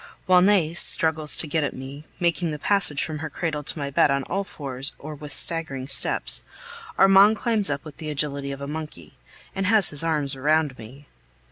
While Nais struggles to get at me, making the passage from her cradle to my bed on all fours or with staggering steps, Armand climbs up with the agility of a monkey, and has his arms round me.